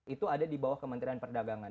itu ada di bawah kementerian perdagangan